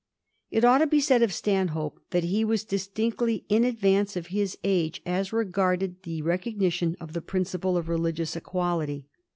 It ought to be said of Stanhope that he was' dis tinctly in advance of his age as regarded the recogni tion of the principle of religious equality.